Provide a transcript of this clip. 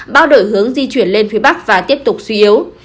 bao đổi hướng di chuyển lên phía bắc và tiếp tục suy yếu